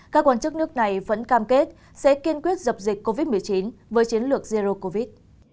các quan chức nước này vẫn cam kết sẽ kiên quyết dập dịch covid một mươi chín với chiến lược zero covid